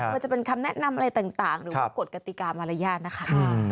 ว่าจะเป็นคำแนะนำอะไรต่างหรือว่ากฎกติกามารยาทนะคะ